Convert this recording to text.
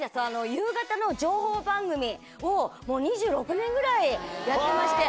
夕方の情報番組を、もう２６年ぐらいやってまして。